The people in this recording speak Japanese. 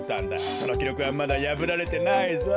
そのきろくはまだやぶられてないぞ。